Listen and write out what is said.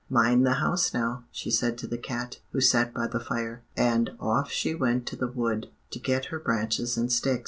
"'Mind the house now,' she said to the cat, who sat by the fire. And off she went to the wood to get her branches and sticks.